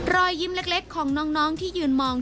รอยยิ้มเล็กของน้องที่ยืนมอง